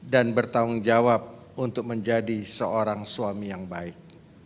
dan bertanggung jawab untuk menjadi seorang suami yang baik